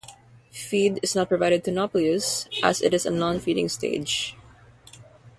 Feed is not provided to nauplius as it is a non-feeding stage.